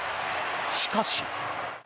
しかし。